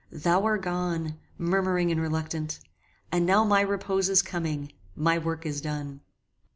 Thou are gone! murmuring and reluctant! And now my repose is coming my work is done!